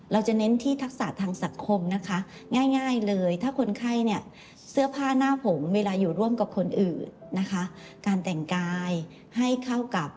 ทางนักสังคมสงเคราะห์มีเกณฑ์การฟัดผลคุณไข้ยังไงบ้างครับ